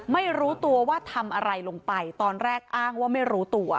ไม่รู้ตัวว่าทำอะไรลงไปตอนแรกอ้างว่าไม่รู้ตัว